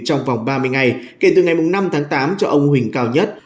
trong vòng ba mươi ngày kể từ ngày năm tháng tám cho ông huỳnh cao nhất